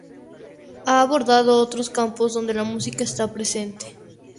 Ha abordado otros campos donde la música está presente.